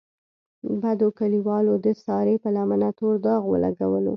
بدو کلیوالو د سارې په لمنه تور داغ ولګولو.